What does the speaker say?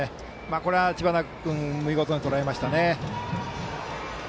これは知花君見事にとらえましたね。